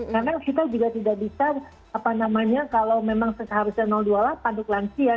karena kita juga tidak bisa apa namanya kalau memang seharusnya dua puluh delapan untuk lansia